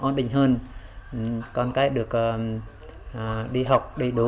ổn định hơn con cái được đi học đầy đủ